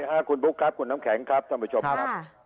สวัสดีค่ะคุณปุ๊กครับคุณน้ำแข็งครับสำหรับผู้ชมครับ